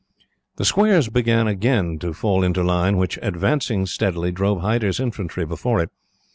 "The squares again fell into line, which, advancing steadily, drove Hyder's infantry before it.